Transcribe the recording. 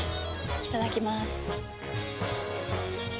いただきまーす。